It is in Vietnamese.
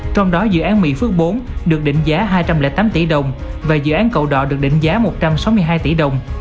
trong đó dự án mỹ phước bốn được định giá hai trăm linh tám tỷ đồng và dự án cầu đò được định giá một trăm sáu mươi hai tỷ đồng